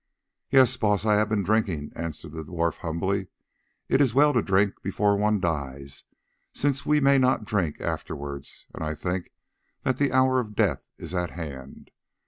"Yes, Baas, I have been drinking," answered the dwarf humbly; "it is well to drink before one dies, since we may not drink afterwards and I think that the hour of death is at hand.